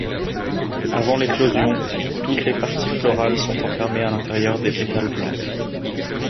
Avant l'éclosion, toutes les parties florales sont enfermées à l'intérieur des pétales blancs.